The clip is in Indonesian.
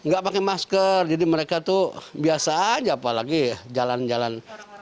gak pakai masker jadi mereka tuh biasa aja apalagi jalan jalan